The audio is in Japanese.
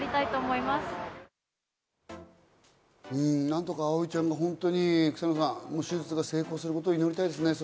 何とか葵ちゃんが本当に草野さん、手術が成功することを祈りたいですね。